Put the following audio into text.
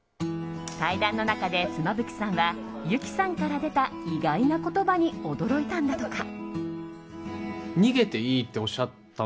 対談の中で妻夫木さんはＹＵＫＩさんから出た意外な言葉に驚いたんだとか。